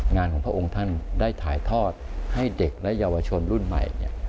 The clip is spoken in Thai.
งานของพระองค์ท่านได้ถ่ายทอดให้เด็กและเยาวชนรุ่นใหม่